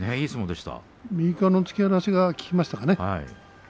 右からの突き放しが効きましたかね。